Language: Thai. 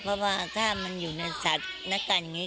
เพราะว่าถ้ามันอยู่ในสถานะการยังไง